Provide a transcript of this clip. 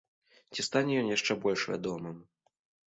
Ці стане ён яшчэ больш вядомым?